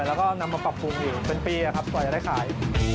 แล้วนำมาปรับปรุงอยู่เป็นปีต่อยได้ขาย